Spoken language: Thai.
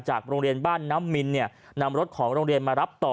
โรงเรียนบ้านน้ำมินนำรถของโรงเรียนมารับต่อ